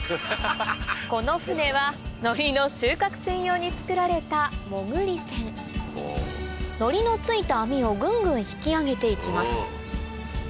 この船はのりの収穫専用に造られたのりのついた網をぐんぐん引き揚げて行きます